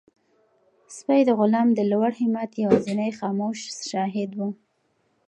سپی د غلام د لوړ همت یوازینی خاموش شاهد و.